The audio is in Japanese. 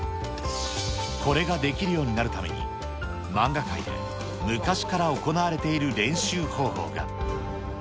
これができるようになるために、漫画界で昔から行われている練習方法が。